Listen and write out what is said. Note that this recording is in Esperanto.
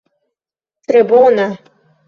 Tre bona.